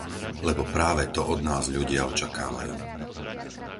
Lebo práve to od nás ľudia očakávajú.